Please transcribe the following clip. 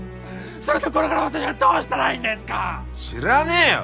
それとこれから私はどうしたらいいんですか⁉知らねぇよ！